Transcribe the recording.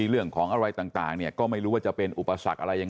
เรื่องของอะไรต่างเนี่ยก็ไม่รู้ว่าจะเป็นอุปสรรคอะไรยังไง